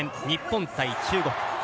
日本対中国。